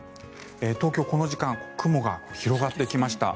東京、この時間雲が広がってきました。